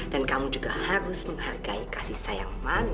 dan kamu juga harus menghargai kasih sayang mami dan alda